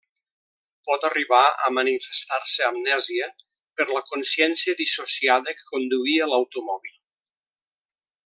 Pot arribar a manifestar-se amnèsia per la consciència dissociada que conduïa l'automòbil.